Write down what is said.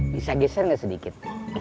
bisa geser gak sedikit